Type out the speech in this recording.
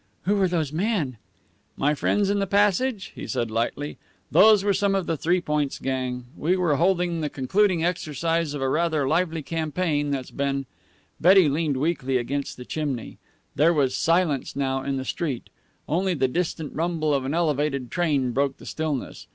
"Who were those men?" "My friends in the passage?" he said lightly. "Those were some of the Three Points gang. We were holding the concluding exercise of a rather lively campaign that's been " Betty leaned weakly against the chimney. There was silence now in the street. Only the distant rumble of an elevated train broke the stillness.